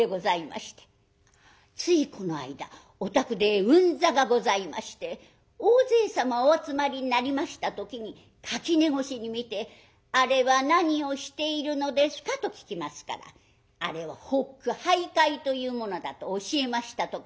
ついこの間お宅で運座がございまして大勢様お集まりになりました時に垣根越しに見て『あれは何をしているのですか？』と聞きますからあれは発句俳諧というものだと教えましたところ